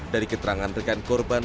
dari keterangan rekan korban